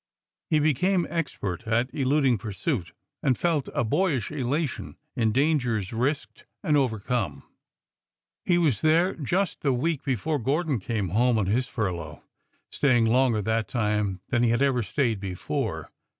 He became expert at eluding pursuit, and felt a boyish elation in dangers risked and overcome. He was there just the week before Gordon came home on his furlough, staying longer that time than he had ever stayed before.